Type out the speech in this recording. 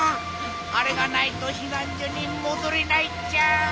あれがないとひなんじょにもどれないっちゃ。